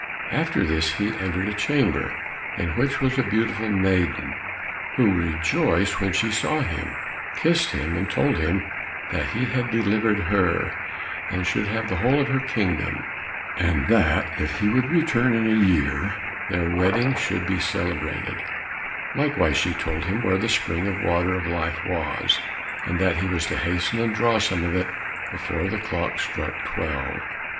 After this, he entered a chamber, in which was a beautiful maiden who rejoiced when she saw him, kissed him, and told him that he had delivered her, and should have the whole of her kingdom, and that if he would return in a year their wedding should be celebrated; likewise she told him where the spring of the water of life was, and that he was to hasten and draw some of it before the clock struck twelve.